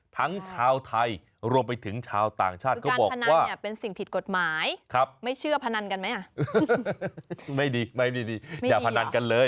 ทั้งชาวไทยรวมไปถึงชาวต่างชาติก็บอกว่า